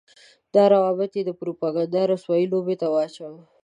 دا روابط يې د پروپاګنډۍ رسوا لوبې ته واچول.